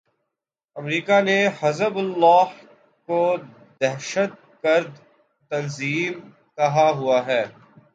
امریکا نے حزب اللہ کو دہشت گرد تنظیم کہا ہوا ہے۔